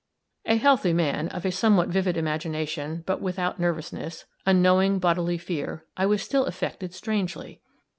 A healthy man, of a somewhat vivid imagination, but without nervousness, unknowing bodily fear, I was still affected strangely.